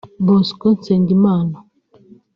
Bosco Nsengimana